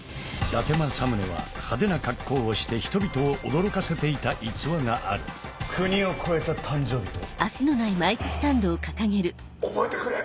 伊達政宗は派手な格好をして人々を驚かせていた逸話がある９にを５えた誕生日と覚えてくれ。